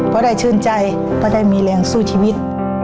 พอได้ชื่นใจพอได้มีแรงสู้ชีวิต